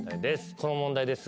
この問題ですが。